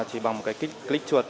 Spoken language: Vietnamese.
chỉ bằng một cái click chuột